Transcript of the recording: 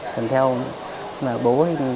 bố cũng có bị lao phổi av dương tính